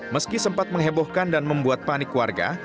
meski sempat menghebohkan dan membuat panik warga